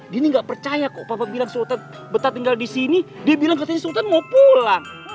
dia ini gak percaya kok papa bilang sultan betah tinggal disini dia bilang katanya sultan mau pulang